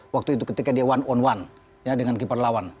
waktu itu ketika dia one on one dengan keeper lawan